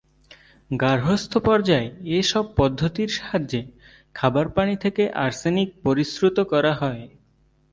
গার্হস্থ্য পর্যায়ে এ সব পদ্ধতির সাহায্যে খাবার পানি থেকে আর্সেনিক পরিশ্রুত করা হয়।